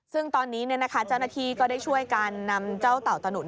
ซึ่งตอนนี้เจ้าหน้าที่ก็ได้ช่วยการนำเจ้าเต่าตะหนุ